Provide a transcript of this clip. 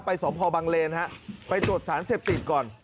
ไปสมภาพบางเลนครับไปตรวจสารเสพติดก่อน